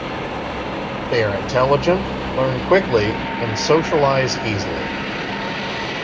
They are intelligent, learn quickly, and socialize easily.